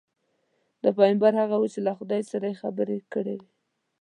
دا پیغمبر هغه وو چې له خدای سره یې خبرې کړې وې.